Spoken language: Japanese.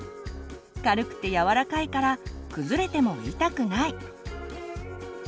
軽くてやわらかいから崩れても痛くない。